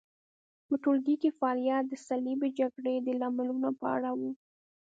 په ټولګي کې فعالیت د صلیبي جګړو د لاملونو په اړه و.